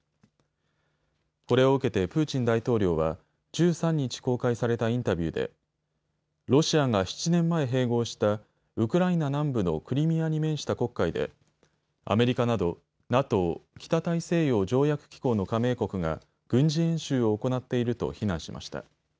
これを受けてプーチン大統領は１３日、公開されたインタビューでロシアが７年前、併合したウクライナ南部のクリミアに面した黒海でアメリカなどＮＡＴＯ・北大西洋条約機構の加盟国が軍事演習を行っていると非難しました。